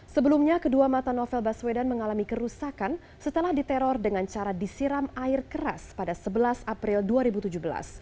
sebelumnya kedua mata novel baswedan mengalami kerusakan setelah diteror dengan cara disiram air keras pada sebelas april dua ribu tujuh belas